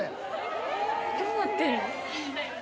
どうなってんの？